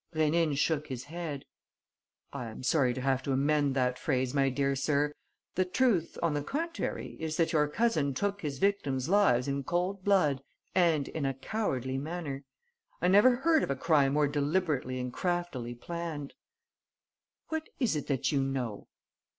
Rénine shook his head: "I am sorry to have to amend that phrase, my dear sir. The truth, on the contrary, is that your cousin took his victims' lives in cold blood and in a cowardly manner. I never heard of a crime more deliberately and craftily planned." "What is it that you know?"